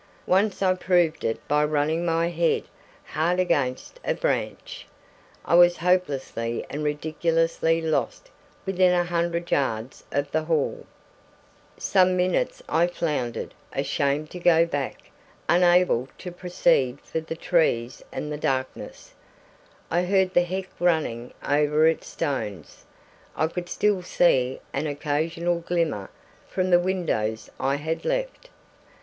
Once I proved it by running my head hard against a branch. I was hopelessly and ridiculously lost within a hundred yards of the hall! Some minutes I floundered, ashamed to go back, unable to proceed for the trees and the darkness. I heard the beck running over its stones. I could still see an occasional glimmer from the windows I had left.